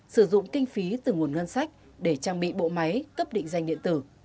sử dụng kinh phí từ nguồn ngân sách để trang bị bộ máy cấp định danh điện tử